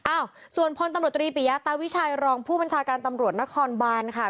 อ้าวส่วนพลตำรวจตรีปิยาตาวิชัยรองผู้บัญชาการตำรวจนครบานค่ะ